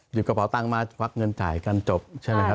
กระเป๋าตังค์มาควักเงินจ่ายกันจบใช่ไหมครับ